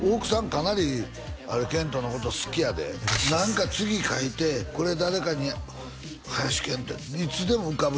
かなりあれ遣都のこと好きやで何か次書いて「これ誰かに」「林遣都いつでも浮かぶ」